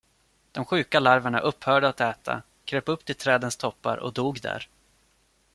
De sjuka larverna upphörde att äta, kröp upp till trädens toppar och dog där.